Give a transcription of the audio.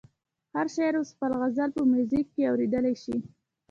هر شاعر اوس خپل غزل په میوزیک کې اورېدلی شي.